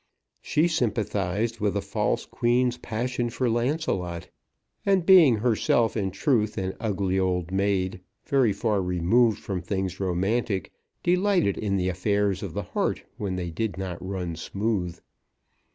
She sympathised with the false Queen's passion for Launcelot, and, being herself in truth an ugly old maid very far removed from things romantic, delighted in the affairs of the heart when they did not run smooth.